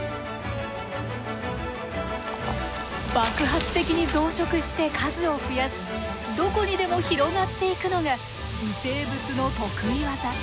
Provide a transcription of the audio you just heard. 爆発的に増殖して数を増やしどこにでも広がっていくのが微生物の得意技。